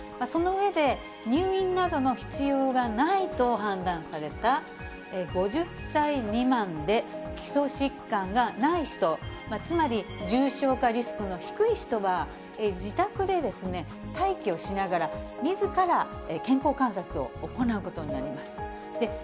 その上で、入院などの必要がないと判断された５０歳未満で、基礎疾患がない人、つまり重症化リスクの低い人は、自宅で待機をしながら、みずから健康観察を行うことになります。